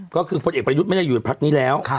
ก็คือพลเอกประยุทธ์ไม่ได้อยู่พักนี้แล้ว